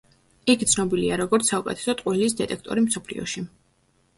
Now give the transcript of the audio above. იგი ცნობილია როგორც „საუკეთესო ტყუილის დეტექტორი მსოფლიოში“.